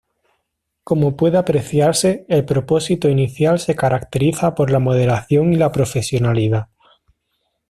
Como puede apreciarse, el propósito inicial se caracteriza por la moderación y la profesionalidad.